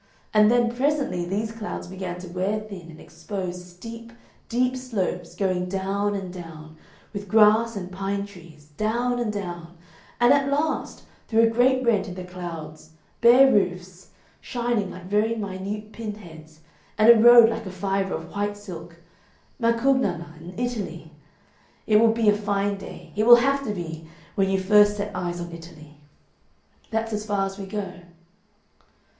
And then presently these clouds began to wear thin and expose steep, deep slopes, going down and down, with grass and pine trees, down and down, and at last, through a great rent in the clouds, bare roofs, shining like very minute pin heads, and a road like a fibre of white silk Macugnana, in Italy. That will be a fine day it will have to be, when first you set eyes on Italy.... That's as far as we go."